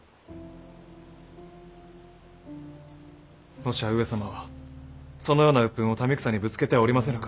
もしや上様はそのような鬱憤を民草にぶつけてはおりませぬか。